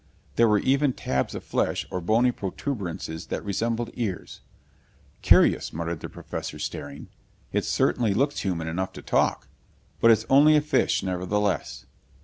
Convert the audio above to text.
There were even tabs of flesh or bony protuberances that resembled ears. "Curious," muttered the Professor, staring. "It certainly looks human enough to talk. But it's only a fish, nevertheless.